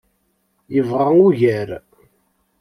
Yebɣa ugar.